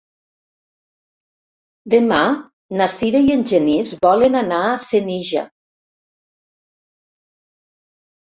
Demà na Sira i en Genís volen anar a Senija.